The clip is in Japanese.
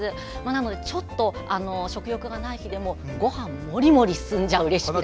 なので、ちょっと食欲がない日でもごはんもりもり進んじゃうレシピ。